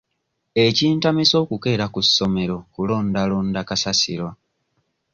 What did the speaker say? Ekintamisa okukeera ku ssomero kulondalonda kasasiro.